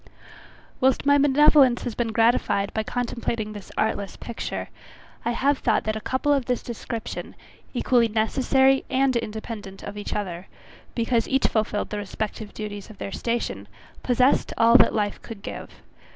Whilst my benevolence has been gratified by contemplating this artless picture, I have thought that a couple of this description, equally necessary and independent of each other, because each fulfilled the respective duties of their station, possessed all that life could give.